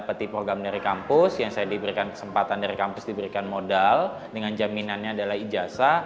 saya mendapatkan program dari kampus yang saya di berikan kesempatan dari kampus di berikan modal dengan jaminannya adalah ijasa